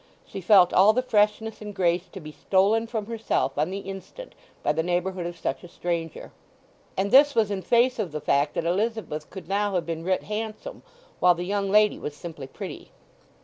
She felt all the freshness and grace to be stolen from herself on the instant by the neighbourhood of such a stranger. And this was in face of the fact that Elizabeth could now have been writ handsome, while the young lady was simply pretty.